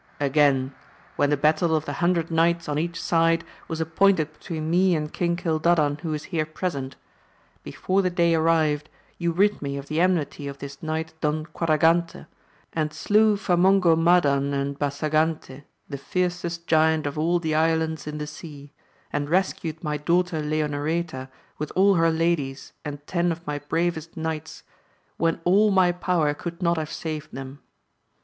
Again, when the battle of the hundred knights on each side was appointed between me and King Cilda dan who is here present ; before the day arrived you rid me of the enmity of this Knight Don Quadragante, and slew Famongomadan and Basagante, the fiercest giant of all the islands in the sea, and rescued my daughter Leonoreta with all her ladies and ten of my bravest knights, when all my power could not have saved them.